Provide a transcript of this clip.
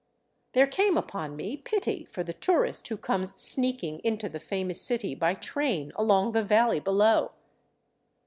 There came upon me pity for the tourist who comes sneaking into the famous city by train along the valley below.